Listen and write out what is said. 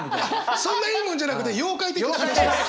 そんないいもんじゃなくて妖怪的な話です！